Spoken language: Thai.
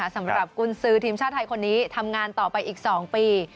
สำหรับกุญสือทีมชาติไทยคนนี้ทำงานต่อไปอีก๒ปี